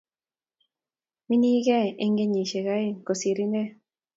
Mining ine eng kenyishek aeng kosir inet